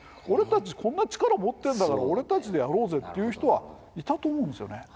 俺たちこんな力持ってるんだから俺たちでやろうぜ」っていう人はいたと思うんですよね。